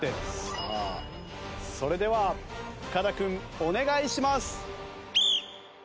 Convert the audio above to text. さあそれでは深田君お願いします。